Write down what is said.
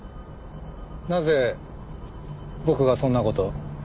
なぜ僕がそんな事を？